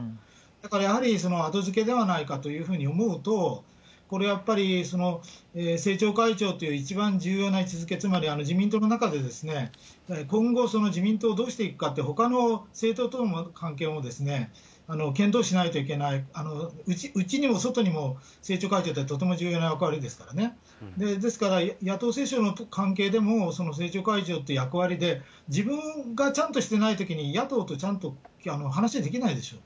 だからやはり、後付けではないかというふうに思うと、これやっぱり、政調会長という一番重要な位置づけ、つまり自民党の中で今後、自民党、どうしていくかっていう、ほかの政党との関係も検討しないといけない、内にも外にも政調会長というのはとても重要な役割ですからね、ですから、野党折衝の関係でも、政調会長っていう役割で、自分がちゃんとしてないときに野党とちゃんと話ができないでしょ。